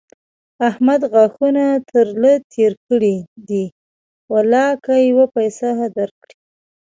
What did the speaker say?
احمد غاښونه تر له تېر کړي دي؛ ولاکه يوه پيسه در کړي.